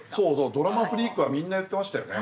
ドラマフリークはみんな言ってましたよね。